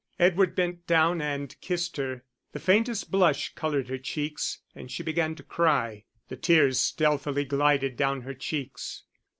Edward bent down and kissed her, the faintest blush coloured her cheeks, and she began to cry; the tears stealthily glided down her cheeks.